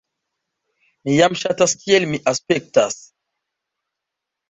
"Mi jam ŝatas kiel mi aspektas."